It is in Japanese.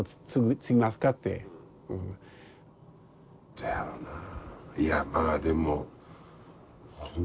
どやろなあ。